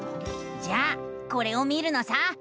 じゃあこれを見るのさ！